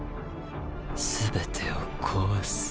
全てを壊す。